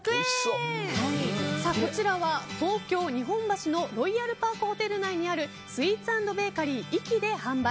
こちらは、東京・日本橋のロイヤルパークホテル内にあるスイーツ＆ベーカリー粋で販売。